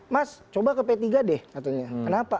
mas coba ke p tiga deh katanya kenapa